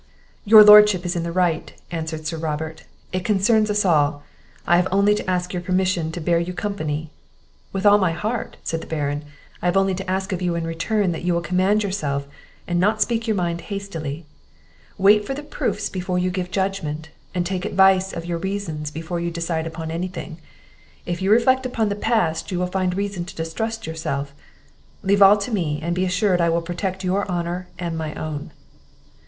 "Your Lordship is in the right," answered Sir Robert, "it concerns us all. I have only to ask your permission to bear you company." "With all my heart," said the Baron; "I have only to ask of you in return, that you will command yourself, and not speak your mind hastily; wait for the proofs before you give judgment, and take advice of your reason before you decide upon any thing; if you reflect upon the past, you will find reason to distrust yourself. Leave all to me, and be assured I will protect your honour and my own."